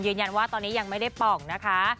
ยืนยันว่าตอนนี้ยังไม่ได้ป่องนะคะ